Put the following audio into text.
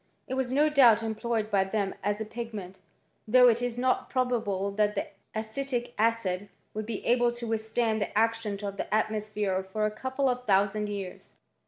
It was no doubt employed by them as a pigment, though it is not probable that the acetic acid would be able to withstand the action of the atmosphere for a couple of thousand years.